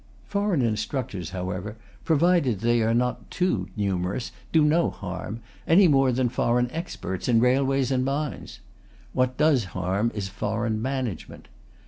Foreign instructors, however, provided they are not too numerous, do no harm, any more than foreign experts in railways and mines. What does harm is foreign management.